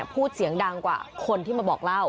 พูดเสียงดังกว่าคนที่มาบอกเล่า